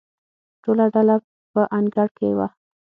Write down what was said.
ټوله ډله په انګړ کې وه.